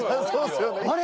「あれ？